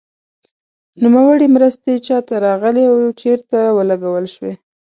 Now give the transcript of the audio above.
نوموړې مرستې چا ته راغلې او چیرته ولګول شوې.